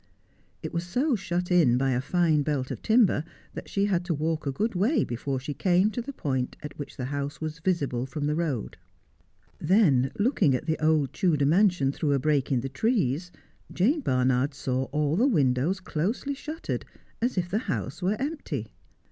It was so shut in by a fine belt of timber that she had to walk a good way before she came to the point at which the house was visible from the road. Then, looking at the old Tudor mansion through a break in the trees, Jane Barnard saw all the windows closely shuttered, as if the house were empty.